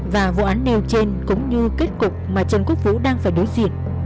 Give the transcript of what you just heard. và vụ án nêu trên cũng như kết cục mà trần quốc vũ đang phải đối diện